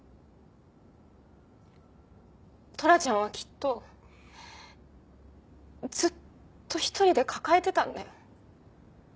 トラちゃんはきっとずっと一人で抱えてたんだよ。